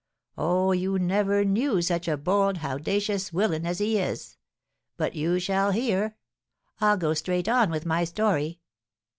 Oh, you never knew such a bold howdacious willin as he is! But you shall hear, I'll go straight on with my story.